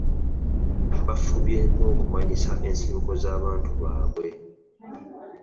Bafubye n'okumanyisa ensibuko z'abantu baabwe